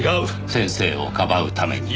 先生をかばうために。